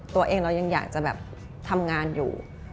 ตัวเองเรายังอยากจะแบบทำงานอยู่